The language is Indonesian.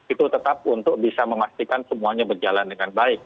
itu tetap untuk bisa memastikan semuanya berjalan dengan baik